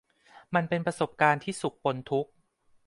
มันเป็นประสบการณ์ที่สุขปนทุกข์